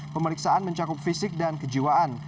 pemeriksaan mencakup fisik dan kejiwaan